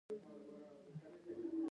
هلته د ګلاب د يوه انډيوال کور و.